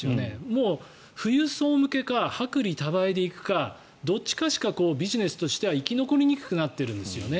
もう富裕層向けか薄利多売でいくかどっちかしかビジネスとしては生き残りにくくなっているんですね。